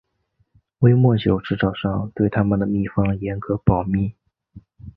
威末酒制造商对他们的配方严格保密。